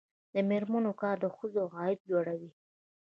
د میرمنو کار د ښځو عاید لوړوي.